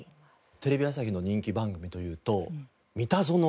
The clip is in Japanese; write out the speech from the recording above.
テレビ朝日の人気番組というと『ミタゾノ』もありますよね。